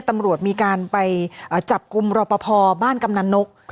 ตำรวจมีการไปจับกลุ่มรอปภบ้านกำนันนก